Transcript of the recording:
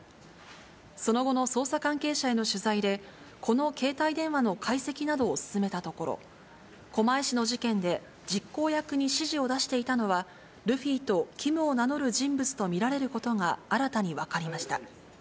その後の捜査関係者への取材で、この携帯電話の解析などを進めたところ、狛江市の事件で実行役に指示を出していたのは、ルフィとＫＩＭを名乗る人物と見られることが新たに分かりました。